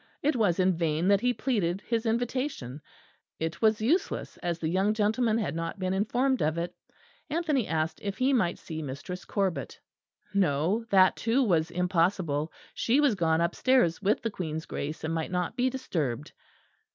It was in vain that he pleaded his invitation; it was useless, as the young gentleman had not been informed of it. Anthony asked if he might see Mistress Corbet. No, that too was impossible; she was gone upstairs with the Queen's Grace and might not be disturbed.